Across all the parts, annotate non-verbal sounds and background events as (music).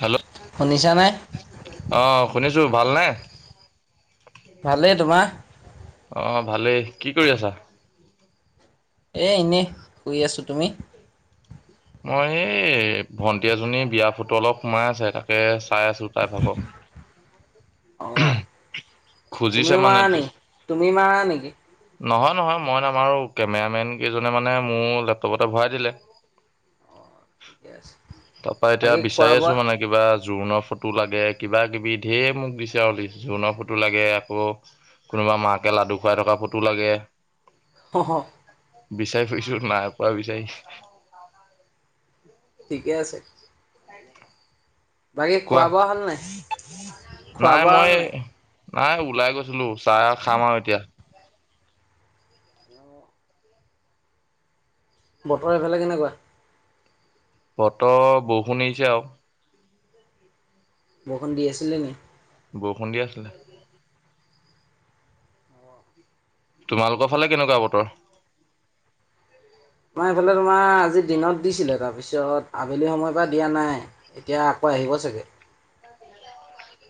Hello শুনিছানে? অ', শুনিছো। ভালনে? ভালেই, তোমাৰ? অ', ভালেই, কি কৰি আছা? এ এনেই শুই আছো, তুমি? মই এই ভন্টি এজনী বিয়া ফটো অলপ সোমাই আছে তাকে চাই আছোঁ তাই থাক। অ'। তুমিও মানে মাৰা নে তোক তুমি মাৰা নেকি? নহয়, নহয় মই আমাৰো কেমেৰামেন কেইজনে মানে মোৰ লেপটপতে ভৰাই দিলে। ঠিকে আছে। তাৰ পৰা এতিয়া বাকী বিচাৰি খোৱা আছো বোৱা? মানে কিবা জোৰোণৰ ফটো লাগে কিবা কিবি ঢেৰ মোক দিছে আৰুলি জোৰোণৰ ফটো ফটো লাগে আকৌ কোনোবা মাকে লাডু খুৱাই থকা ফটো লাগে হ হ! বিচাৰি ফুছো নাই পোৱা বিচাৰিছ, ঠিকে আছে। বাকী কোৱা খোৱা বোৱা হল নাই? খোৱা নাই বোৱা মই। হ'ল নাই? নাই ওলাই গৈছিলো চাহ আৰু খাম আৰু এতিয়া বতৰ এফালে কেনেকুৱা? বতৰ বৰষুনিছে আৰু বৰষুণ দি আছিলে নি? বৰষুণ দি আছিলে। তোমালোকৰ ফালে কেনেকুৱা বতৰ? মই এইফালে তোমাৰ আজি দিনত দিছিলে তাৰপিছত আবেলি সময়ৰ পৰা দিয়া নাই এতিয়া আকৌ আহিব চাগে।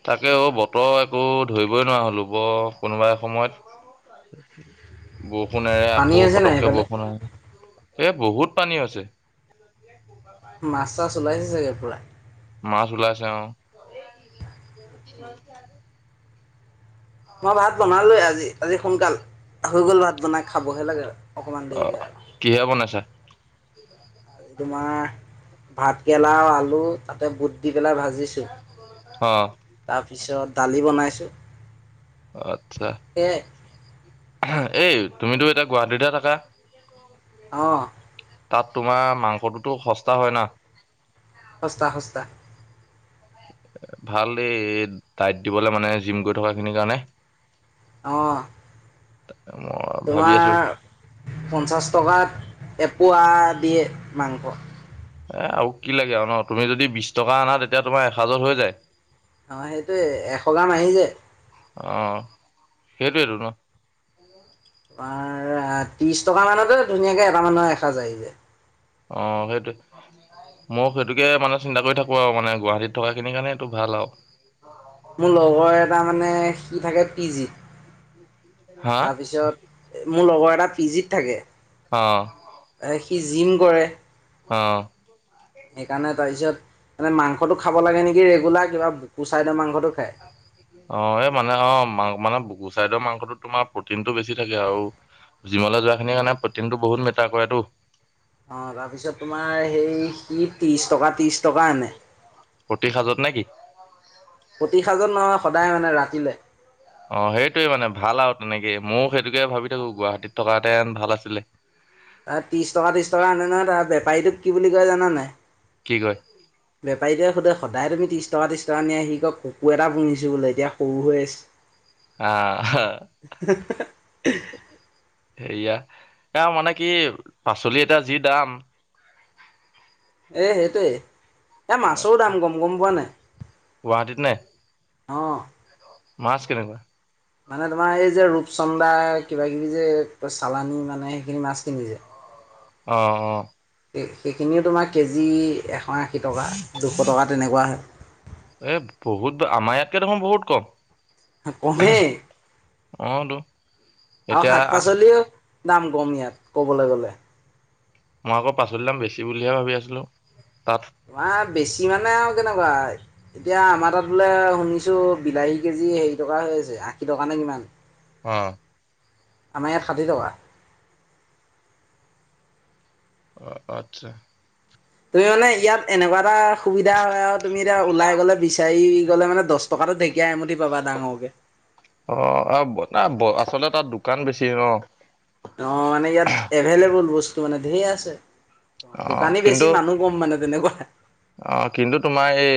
তাকে অ বতৰ একো ধৰিবই নোৱাৰা হ'লোঁ বৰ কোনোবাই সময়ত বৰষুণেৰে পানী আকৌ হৈছে নাই পটককে সেইফালে? বৰষুণ এ বহুত পানী আছে। মাছ চাছ ওলাইছে চাগে? ধৰাই মাছ ওলাইছে অ মই ভাত বনালোজ আজি সোনকাল হৈ গ'ল ভাত বন খাবহে লাগে অকণমান অ দেৰিকৈ আৰু কিহে বনাইছা? আজি তোমাৰ ভাতকৰেলাও আলু তাতে বুট দি পেলাই ভাজিছোঁ অ তছ তাৰপিছত দালি বনাইছোঁ। আত্ছা সেয়াই এই তুমিতো এতিয়া গুৱাহাটীতে থাকা। অ! তাত তোমাৰ মাংসটোতো সস্তা হয় না সস্তা সস্তা! এ ভাল এই ডাইট দিবলৈ মানে জিম গৈ থকা খিনিৰ কাৰণে, অ মই ভাবি আছো তোমাৰ পঞ্চাছ টক এ মাংস এ আৰু কি লাগে আৰু ন তুমি যদি বিশ টকা আনা তেতিয়া তোমাৰ এ হাজাৰ হৈ যায়। অ সেইটো এশ গাম আহি যে অ সেইটোইটো ন তোমাৰ ত্ৰিশ টকা মানতো ধুনীয়াকে এটা মানৰ এখা যায় যে অ সেইটো মই সেইটোকে মানে চিন্তা কৰি থাকো আৰু মানে গুৱাহাটীত থকাখিনি কাৰণে এইটো ভাল আৰু মোৰ লগৰ এটা মানে, সি থাকে পি জিত। হা তাৰপিছত মোৰ লগৰ এটা পি জিত থাকে অ' সি জিম কৰে অ' সেইকাৰণে তাৰপিছত, মানে মাংসটো খাব লাগে নেকি ৰেগুলাৰ, কিবা বুকুচাইদৰ মাংসটো খায়। অ', এই মানে অ, মাং মানে বুকু চাইডৰ মাংসটোত তোমাৰ প্ৰটিনটো বেছি থাকে আৰু জিমলৈ যোৱাখিনিৰ কাৰণে প্ৰটিনটো বহুত মেটাৰ কৰেতো। অ' তাৰপিছত তোমাৰ সেই সি ত্ৰিছ টকা ত্ৰিছ টকা এনে। প্ৰতি সাজত নে কি? সাজত নহয় সদায় মানে ৰাতিলেলৈ অ' সেইটোৱে মানে ভাল আৰু তেনেকেই ময়ো সেইটোকে ভাবি থাকো গুৱাহাটীত থকাতেন ভাল আছিলে। তাৰ ত্ৰিশ টকা, ত্ৰিশ টকা, আনে নহয়, তাৰ বেপাৰীটোক কি বুলি কয় জানা নে নাই? কি কয়? বেপাৰীটোৱে সোধে সদায় তুমি ত্ৰিছ টকা, ত্ৰিছ টকা নিয়া, সি কিয় ককুৰ এটা পুহিছোঁ বোলে, এতিয়া সৰু হৈ আছে। আহ। সেয়া, এ মানে কি পাচলি এটা যি দাম এই সেইটোৱেই। এ মাছৰো দাম গম, গম পোৱা নে নাই? গুৱাহাটীত নে? অহ। মাছ কেনেকুৱা? মানে তোমাৰ এই যে ৰূপচন্দা কিবা কিবি যে চালানি মানে সেইখিনি মাছ কিনি যে। অ', অ'। সেইখিনিও তোমাৰ কেজি এশ আশী টকা দুশ টকা তেনেকুৱা হয়। এ বহুত, আমাৰ ইয়াতকে দেখোন বহুত কম। কমেই, অ' তো আৰু এতিয়া শাক পাচলিও দাম কম ইয়াত, ক'বলৈ গ'লে। মই আকৌ পাচলি দাম বেছি বুলিহে ভাবি আছিলো, তাত। তোমাৰ বেছি মানে আৰু কেনেকুৱা, এতিয়া আমাৰ তাত বোলে শুনিছোঁ, বিলাহী কেজি হেৰি টকা হৈ আছে, আশী টকা নে কিমান। অ' আমাৰ ইয়াত ষাঠি টকা। অ, আচ্ছা। তুমি মানে ইয়াত এনেকুৱা এটা সুবিধা হয় আৰু তুমি এতিয়া ওলাই গ'লে বিচাৰি গ'লে মানে, দছ টকাটো ঢেঁকীয়া এমুঠি পাবা ডাঙৰকে। কান বেছি ন? অ', মানে ইয়াত এভেইলেবোল বস্তু, মানে ঢেৰ আছে। অ', দোকানী বেছি কিন্তু, মানুহ কম মানে তেনেকুৱা। কিন্তু কিন্তু তোমাৰ এই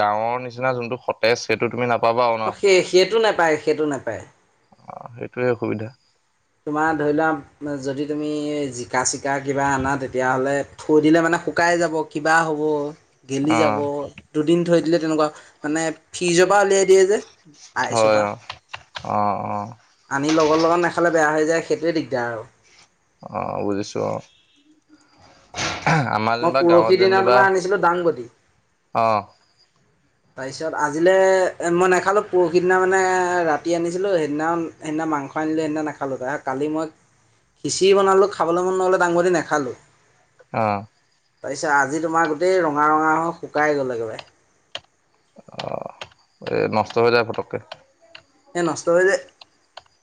গাঁৱৰ নিচিনা জোনটো সতেজ, সেইটো তুমি নাপ অ', সেই, সেইটো নাপায়, সেইটো নাপায়। টোৱেই অসুবিধা। তোমাৰ ধৰি লোৱা, যদি তুমি জিকা-চিকা কিবা আনা, তেতিয়াহ'লে থৈ দিলে মানে শুকাই যাব, কিবা হ'ব গেলি যাব, অ' দু দিন থৈ দিলে তেনেকুৱা, মানে ফ্ৰিজৰ পৰা উলিয়াই দিয়ে যে। হয় আইচৰপা, অ' অ' অ' আনি লগত লগত নে বেয়া হৈ যায়, সেইটোৱে দিগদাৰ আৰু। অ', বুজিছোঁ অ'। আমাৰ মই যেনিবা পৰহি দিনা তোমাৰ আনিছিলো দাংবদি। অহ। তাৰপিছত আজিলৈ মই নেখালোঁ, পৰহিদিনা মানে ৰাতি আনিছিলোঁ। সেইদিনা সেইদিনা, মাংস আনিলো, সেইদিনা নাখালোঁ, তাৰপিছত কালি মই খিঁচিৰি বনালোঁ, খাবলৈ মন নহ'লে দাংবদি নাখালোঁ। অহ। তাৰপিছত আজি তোমাৰ গোটেই ৰঙা ৰঙা হৈ শুকাই গ'ল একেবাৰে। অ', এই নষ্ট হৈ যায় পটককে। এ নষ্ট হৈ যায়।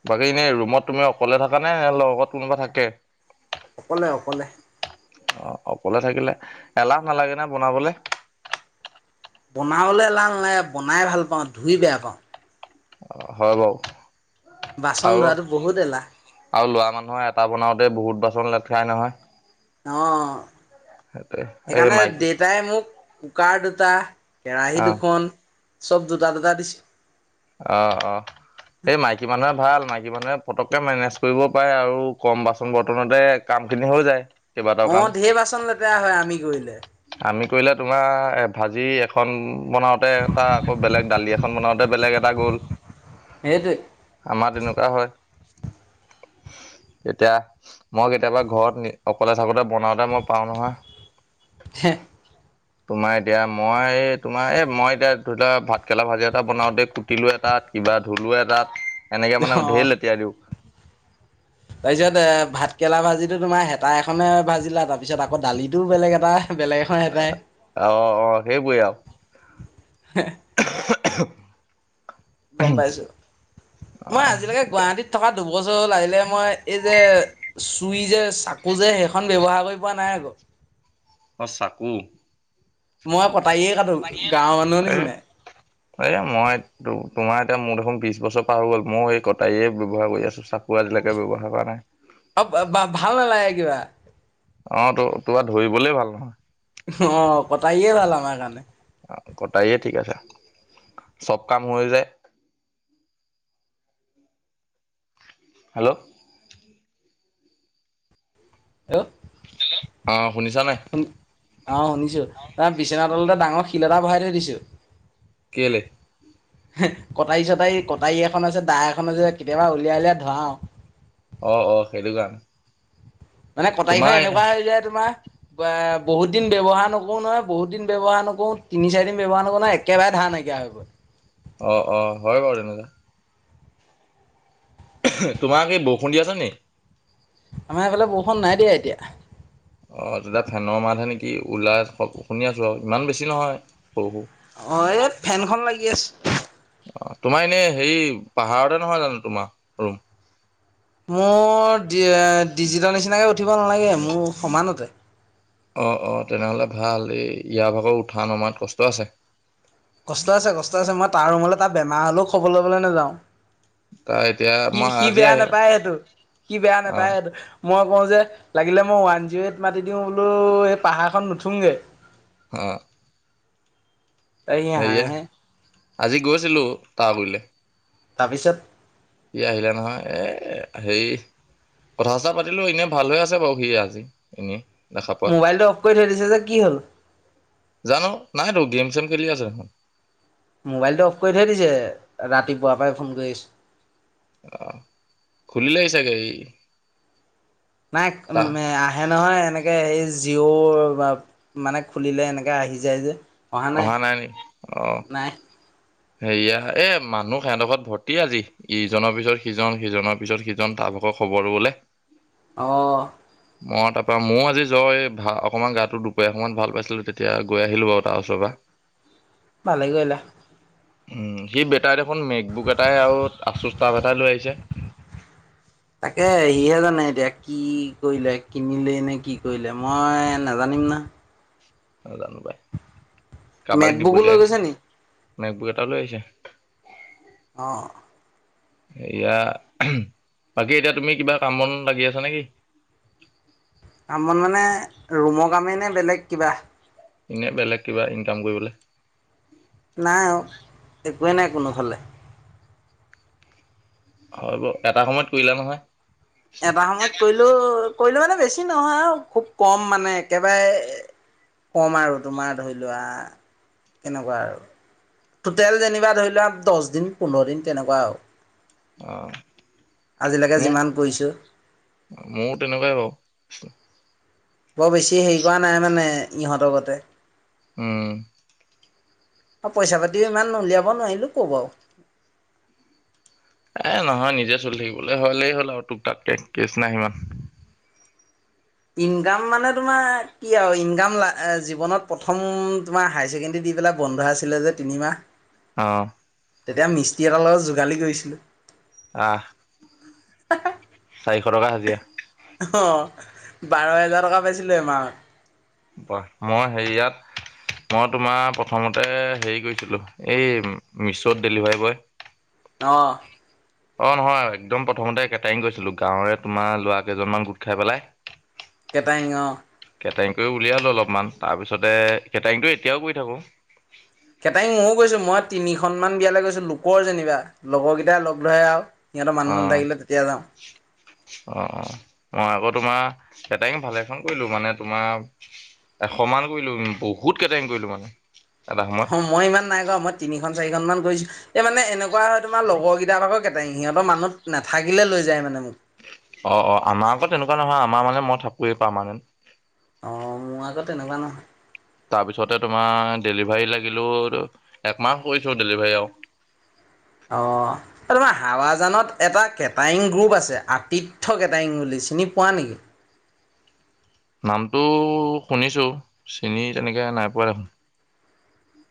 বাকী এনেই ৰুমত তুমি অকলে থাক নে নে লগত কোনোবা থাকে? অকলে অকলে। অ' অকলে থাকিলে এলাৰ্ম নালাগে নে বনাবলে? বনাবলৈ লাল নাই, বনাই ভাল পাওঁ, ধুই বেয়া পাওঁ। হয় বাৰু। বাচন আৰু ধোৱাটো বহুত এলাহ আৰু লৰা মানুহৰ এটা বনাওতে বহুত বাচন লাগে। (unintelligible) নহয়। অ'। সেইটোৱে এই সেইকাৰণে মাইকী দেউতাই মোক কুকাৰ দু (unintelligible) কেৰাহী অ' দুখন। চব দুটা দুটা দিছে। অ' অ' এই মাইকী মানুহৰ ভাল মাইকী (unintelligible) পটককে মেনেজ কৰিব পাৰে আৰু কম বাচন বৰ্তনতে কাম খিনি হৈ যায়। কেইবাটাও কাম অ', ঢেৰ বাচন লেতেৰা হয় আমি কৰিলে। আমি কৰিলে তোমাৰ এ ভাজি এখন বনাওঁতে এটা, আকৌ বেলেগ দালি এখন বনাওঁতে বেলেগ এটা গ'ল সেইটোৱে আমাৰ তেনেকুৱা হয়। এতিয়া, মই কেতিয়াবা ঘৰত অকলে থাকোতে বনাওতে মই পাওঁ নহয় হে! তোমাৰ এতিয়া মই এ তোমাৰ এই মই এতিয়া ধৰি লোৱা ভাতকেৰেলা ভাজি এটা বনাওতে কুটিলো এটাত, কিবা ধুলো এটাত এনেকে মানে অঁ ধেৰ লেতিয়াই দিওঁ। তাৰপিছত এ ভাত কেৰেলা ভাজিটো তোমাৰ হেতা এখনে ভাজিলা, তাৰপিছত আকৌ দালিটোও বেলেগ এটা বেলেগ এখন হেতাই অ', অ', হেইবোৰে আও। (unintelligible) (unintelligible) গম পাইছো মই আহ আজিলৈকে এতিয়া গুৱাহাটীত থকা দুবছৰ আহিলে মই এই যে (unintelligible) চাকু যে সেইখন ব্যৱহাৰ কৰিব পোৱা নাই আকৌ। অ সাকু মই কটাৰীয়ে কাটো গাঁৱৰ মানুহৰ এই নিচিনাই এই মইতটো তোমাৰ এতিয়া মোৰ দেখোন বিশ বছৰ পাৰ হৈ গ'ল মই এই কটাৰীয়ে ব্যৱহাৰ কৰি আছো চাকু আজিলাকে ব্যৱহাৰ কৰা নাই। অ ভাল নালাগে কিবা। অ ত তোৰ ধৰিবলে ভাল নহয়। অঁ কটায়য়ে ভাল আমাৰ কাৰণে কটায়ে ঠিক আছে, চব কাম হৈ যায়। হেল্ল' হেল্ল অঁ শুনি অঁ শুনিছো অ বিছনা তলতে ডাঙৰ শিল এটা ভৰাই থৈ দে, থৈছু। কেলে? কটাৰী চটাৰী কটাৰী এখন আছে, দা এখন আছে কেতিয়াবা উলিয়াই উলিয়াই ধৰাও। অঁ অঁ সেইটো কাৰণে। মানে কটাৰীখন তোমাৰ এনেকুৱা হৈ যায় তোমাৰ- বা বহুত দিন ব্যৱহাৰ নকৰো নহয়, বহুত দিন ব্যৱহাৰ নকৰো তিনি চাৰিদিন ব্যৱহাৰ নকৰো নহয় একেবাৰে ধাৰ নাইকিয়া হৈ গল। অ অ হয় বাৰু তেনেকুৱা। তোমাৰ কি বৰষুণ দি আছে নেকি? আমাৰ এইফালে বৰষুণ নাই দিয়া এতিয়া। অ তেতিয়া ফেনৰ মাতহে নেকি ওলাই শুনি আছো আৰু ইমান বেছি নহয় সৰু সৰু। অঁ এই ফেনখন লাগি আছে। অ তোমাৰ এনে হেৰি পাহাৰতে নহয় জানো তোমাৰ ৰুম। মোৰ ডিজিটাৰ নিচিনাকে উঠিব নালাগে মোৰ সমানতে। অ' অ' তেনেহলে ভাল। এই ইয়াৰ ভাগৰ উঠা নমাত কষ্ট আছে। কষ্ট আছে, কষ্ট আছে। মই তাৰ ৰুমলে তাৰ বেমাৰ হ'লেও খবৰ ল'বলৈ নেযাওঁ। তাৰ এতিয়া সি মই সি আজি বেয়া আহি নাপায় সেইটো, সি বেয়া অ নাপায় সেইটো। মই কওঁ যে লাগিলে মই ওৱান জিৰ'এইট মাতি দিওঁ বোলো, এই পাহাৰখন নুঠোংগে। অহ'। এই সি হাহে। আজি গৈছিলো তাৰ গুইলে। তাৰপিছত? সি আহিলে নহয় এ হেৰি কথা চথা পাতিলো এনে ভাল হৈ আছে বাৰু সি আজি এনেই দেখা পোৱাত। মোবাইলটো অফ কৰি থৈ দিছে যে কি হ'ল জানো নাহতো গেম চেম খেলি আছে মোবাইলটো অফ কৰি থৈ দিছে ৰাতিপুৱাৰ পৰাই ফোন কৰিছে আহ খুুলিলেই চাগে ই নাই তা উম আহে নহয় এনেকে সেই জিঅ' মানে খুলিলে এনেকে আহি যায় যে অহা নাই নি অ নাই সেয়া এ মানুহ সিহঁতোখৰত ভৰ্তি আজি ইজনৰ পিছত সিজন সিজনৰ পিছত সিজন তাৰ ভকৰ খবৰ লবলে অহ মই তাৰ পৰা মই আজি যাওঁ এই অকণমান গাটো দুপৰীয়া সময়ত ভাল পাইছিলো তেতিয়া গৈ আহিলো বাৰু পাছৰবা ভালে কৰিলা উম সি বেটাৰী দেখোন মেকবুক এটাই আৰু আচুস্তাফ এটাই লৈ আহিছে তাকে সিহে জানে এতিয়া কি কৰিলে কিনিলে নে কি কৰিলে মই নাজানিম না আ গানো বাই মেট বুকো লৈ গৈছে নি ন একবোৰ এটা লৈ আহিছে অ এয়া বাকী এতিয়া তুমি কিবা কামন লাগি আছা নেকি আমন মানে ৰুমৰ কামেই নে বেলেগ কিবা এনে বেলেগ কিবা ইনকাম কৰিবলৈ নাই অ একোৱেই নাই কোনোফালে হয় ব এটা সময়ত কৰিলা নহয় এবাৰ সময়ত কৰিলো কৰিলেো মানে বেছি নহয় আৰু খুব কম মানে একেবাৰে কম আৰু তোমাৰ ধৰি লোৱা কেনেকুৱা আৰু টোটেল যেনিবা ধৰি লোৱা দহ দিন পোন্ধৰ দিন তেনেকুৱা আৰু আহ আজিলৈকে মোক যিমান কৰিছোঁ মোৰ তেনেকুৱাই বাৰু অ বৰ বেছি হেৰি কৰা নাই মানে ইহঁতকতে উম পইচা পাতিও ইমান উলিয়াব নোৱাৰিলো ক বাৰ এ নহয় নিজে চলি থাকিবলৈ হলেই হ'ল আৰু তোক তাতকে কেচ নাই সিমান ইনকাম মানে তোমাৰ কি আৰু ইক জীৱনত প্ৰথম তোমাৰ হ ছেকেণ্ডৰী দি পেলাই বন্ধ আছিলে যে তিনিমাহ অ তেতিয়া মিস্ত্ৰী এটাৰ লগত যোগালি কৰিছিলোঁ আহ চাৰিশ টকা হাজিয়ৰা অ', বাৰ হেজাৰ টকা পাইছিলো এমাহত। মই হেৰিয়াত, মই তোমাৰ প্ৰথমতে হেৰি কৰিছিলোঁ, এই মি-মিছ'ত ডেলিভাৰী বয়। অ'। অ', নহয়। একদম প্ৰথমতে কেটাৰিং কৰিছিলো। গাঁৱৰে তোমাৰ লৰা কেইজনমান গোট খাই পেলাই। কেটাইং, অ'। কেটাৰিং কৰি উলিয়ালো অলপমান, তাৰপিছতে কেটাৰিংটো এতিয়াও কৰি থাকোঁ। কেটাৰিং ময়ো গৈছো। মই তিনিখন মান বিয়ালৈ গৈছো, লোকৰ যেনিবা লগৰ কেইটাই লগ ধৰে আৰু সিহঁতৰ মানুহ অ', নাথাকিলে তেতিয়া যাওঁ অ', অ'। মই আগত তোমাৰ কেটাৰিং ভালেখন কৰিলো। মানে তোমাৰ এশমান কৰিলো, বহুত কেটাৰিং কৰিলো মানে এটা সময়ত অ', মই ইমান নাই কৰা। মই তিনিখন চাৰিখন মান কৰিছো, এই মানে এনেকুৱা তোমাৰ লগৰ কেইটকাৰ লগত (unintelligible) সিহঁতৰ মানুহ নাথাকিলে লৈ যায় মানে মোক। অ' অ' আমাৰ আকৌ তেনেকুৱা নহয়, আমাৰ মানে মই থাকোৱৱেই পাৰমান্টে। অ' মোৰ আকৌ তেনেকুৱা নহয়। তাৰপিছতে তোমাৰ ডেলিভাৰী লাগিলো, একমাহ কৰিছো ডেলিভাৰী আৰু। অ', তোমাৰ হাৱাজানত এটা কেটাইং গ্ৰুপ আছে, আতিথ্য কেটাইিং বুলি, চিনি পোৱা নেকি? নামটোও শুনিছো, চিনি তেনেকে নাই পোৱা দেখোন।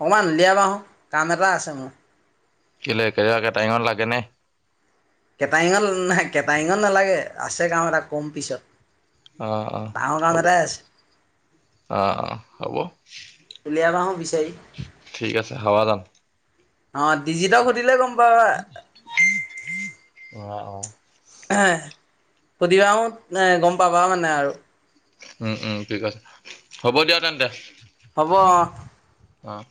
অকমান উলিয়াবা হোও, কাম এটা আছে মোৰ। কেলে, (unintelligible) কেটাইঙত লাগে নে? কেটাইঙত নাই, কেটাইঙত নালাগে, আছে কাম এটা কম পিছত। অ অ ডাঙৰ কাম হ'ব, এটাই আছে অ অ হ'ব। চাৰি। ঠিক আছে, হাৱাজান। অ', দিজিতক সুধিলে গম (unintelligible) অ অ। সুধিবা হু এ গম পাবা মানে আৰু। উম উম ঠিক আছে, হ'ব দিয়া তেন্তে। হ'ব, অ। অহ।